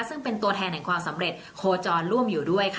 ซึ่งเป็นตัวแทนแห่งความสำเร็จโคจรร่วมอยู่ด้วยค่ะ